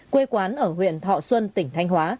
quê quán ở huyện thọ xuân tỉnh thanh hóa